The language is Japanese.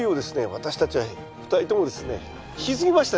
私たちは２人ともですね引き継ぎましたね。